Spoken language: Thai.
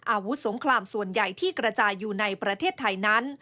อาวุธสงครามส่วนใหญ่ที่กระจายอยู่ในประเทศไทยนั้น